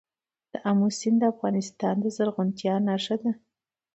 آمو سیند د افغانستان د زرغونتیا نښه ده.